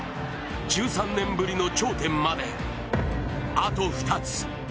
１３年ぶりの頂点まで、あと２つ。